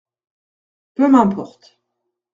Peu m’importe.